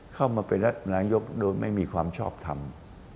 เข้ามาเป็นนายกโดยไม่มีความชอบทำ